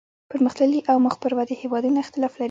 پرمختللي او مخ پر ودې هیوادونه اختلاف لري